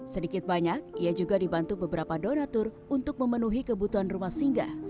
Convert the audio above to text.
sedikit banyak ia juga dibantu beberapa donatur untuk memenuhi kebutuhan rumah singga